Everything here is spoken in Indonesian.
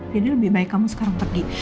jadi lebih baik kamu sekarang pergi